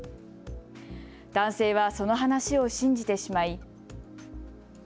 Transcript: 男性はその話を信じてしまい。